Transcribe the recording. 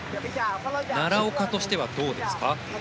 奈良岡としてはどうですか？